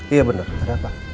iya bener ada apa